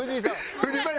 藤井さん